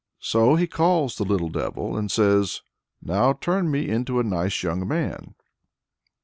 So he calls the "little devil," and says, "Now turn me into a nice young man."